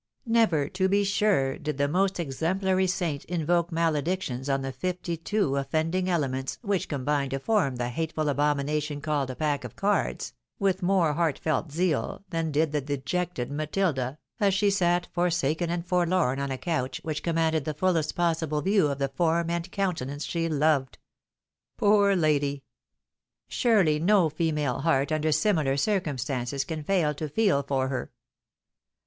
Never, to be sure, did the most exemplary saint invoke maledic tions on the fifty two offending elements which combine to form the hateful abomination called a pack of cards, with more heart felt zeal than did the dejected Matilda, as she sat forsaken and I forlorn on a couch which commanded the fullest possible view of the form and countenance she loved ! Poor lady ! Surely no female heart under similar circumstances can fail to feel for her.